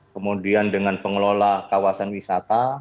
kemudian dengan pengelola kawasan wisata